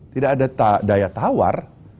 tidak ada daya tawar